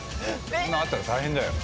そんなあったら大変だよ。